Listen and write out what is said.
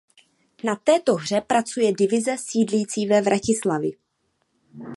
Na této hře pracuje divize sídlící ve Vratislavi.